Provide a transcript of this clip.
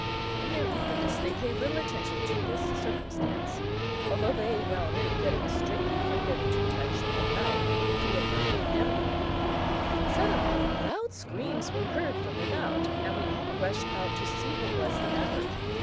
In their eagerness they paid little attention to this circumstance, although they well knew that it was strictly forbidden to touch a knife to a burning ember. Suddenly loud screams were heard from without and we all rushed out to see what was the matter.